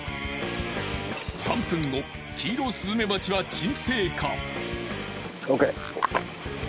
３分後キイロスズメバチは沈静化。